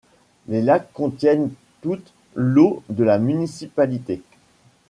Les lacs contiennent toute l'eau de la municipalité.